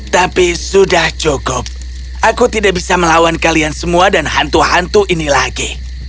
tapi sudah cukup aku tidak bisa melawan kalian semua dan hantu hantu ini lagi